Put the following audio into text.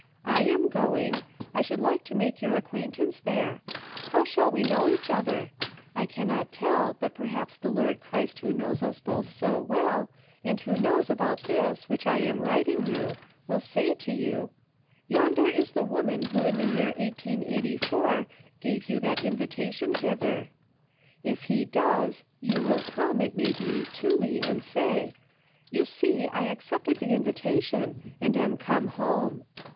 I am going; I should like to make your ac quaintance there. How shall we know each other ? I cannot tell, but perhaps the Lord Christ who knows us both so well, and who knows about this, which I am writing you, will say to you ;" Yonder is the woman who in the year 1884 gave you that invita tion hither." If He does, you will come, it may be, to me and say: " You see I accepted the invitation, and am come home."